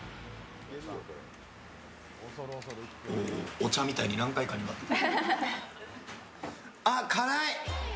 お茶みたいに何回かに分けてる。